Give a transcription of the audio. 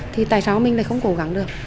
thì tại sao mình lại không cố gắng được